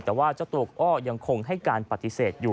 แต่ว่าเจ้าตัวก็ยังคงให้การปฏิเสธอยู่